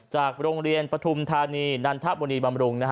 จากโรงเรียนปฐุมธานีนันทบุรีบำรุง